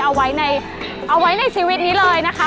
เอาไว้ในชีวิตนี้เลยนะคะ